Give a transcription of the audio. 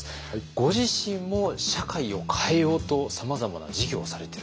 ご自身も社会を変えようとさまざまな事業をされてると。